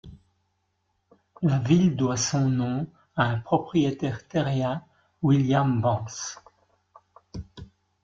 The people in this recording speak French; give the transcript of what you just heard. La ville doit son nom à un propriétaire terrien William Vance.